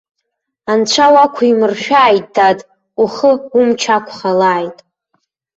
Анцәа уақәимыршәааит, дад, ухы умч ақәхалааит.